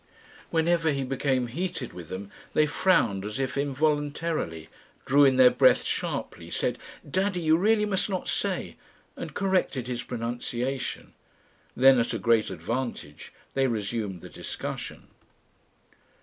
Whenever he became heated with them, they frowned as if involuntarily, drew in their breath sharply, said: "Daddy, you really must not say " and corrected his pronunciation. Then, at a great advantage, they resumed the discussion....